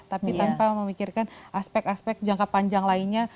tapi tanpa memikirkan aspek aspek jangka panjang lainnya